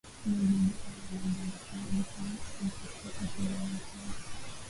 meli iligonga mwamba na kusababisha mpasuko kwenye matanki